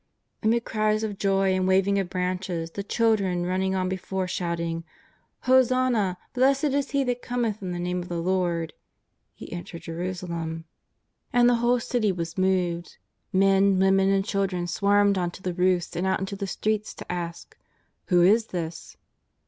Amid cries of joy and waving oi branches, the chil dren running on before shouting ^' Hosanna, blessed be He that cometh in the nai iO of the Lord !'' He entered Jerusalem. And the whole City was moved. Men, women and children swarmed on to the roofs and out into the streets to ask: ^' Who is this?''